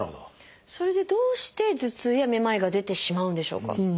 それでどうして頭痛やめまいが出てしまうんでしょうか？